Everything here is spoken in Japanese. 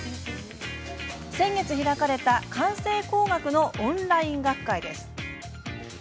先月開かれた感性工学のオンライン学会です。